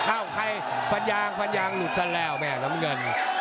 ใครฟันยางฟันยางหลุดซะแล้วแม่น้ำเงิน